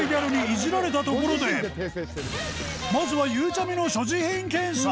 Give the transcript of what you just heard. まずはゆうちゃみの所持品検査